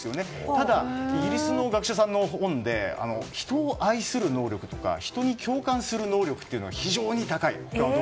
ただ、イギリスの学者さんの本で人を愛する能力とか人に共感する能力というのが非常に高い。